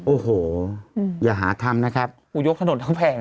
โอ้โหอย่าหาคำนะครับอุโยคถนนก็แพงแล้วนะ